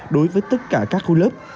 đối với tất cả các khu lớp